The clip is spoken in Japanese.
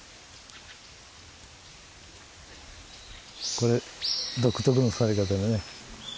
これ独特の座り方でね。